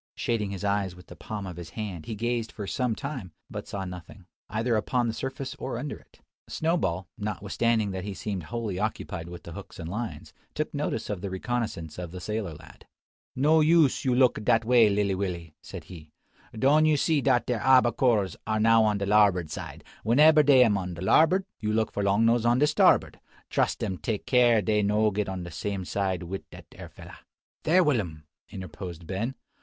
Shading his eyes with the palm of his hand, he gazed for some time, but saw nothing, either upon the surface or under it. Snowball, notwithstanding that he seemed wholly occupied with the hooks and lines, took notice of the reconnoissance of the sailor lad. "No use you look dat way, lilly Willy," said he. "Doan you see dat de abbacores are now on de larbord side. Wheneber dey am on de larbord, you look for long nose on de starbord. Truss dem take care dey no get on de same side wit' dat ere fella." "There, Will'm!" interposed Ben.